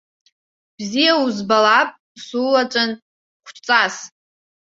Бзиа узбалап сулаҵәан, хәҷҵас.